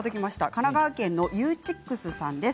神奈川県の方です。